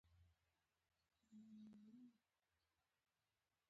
کورونه باید روښانه شي